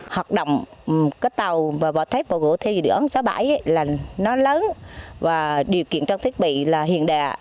hoạt động cất tàu và bỏ thép vào gỗ thi đường xá bãi là nó lớn và điều kiện trong thiết bị là hiện đại